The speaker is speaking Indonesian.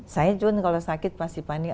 saya cuma kalau sakit pasti panik